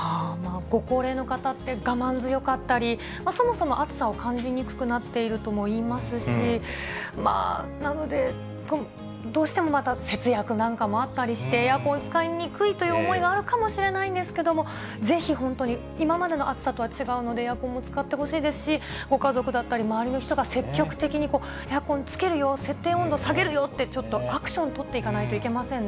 ご高齢の方って、我慢強かったり、そもそも暑さを感じにくくなっているともいいますし、なので、どうしてもまた節約なんかもあったりして、エアコン使いにくいという思いがあるかもしれないんですけれども、ぜひ本当に、今までの暑さとは違うので、エアコン使ってほしいですし、ご家族だったり、周りの人が積極的にエアコンつけるよ、設定温度下げるよって、ちょっとアクション取っていかないといけませんね。